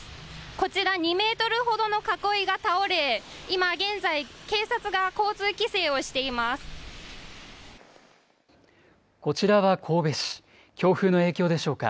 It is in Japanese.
こちら２メートルほどの囲いが倒れ、今、現在、こちらは神戸市、強風の影響でしょうか。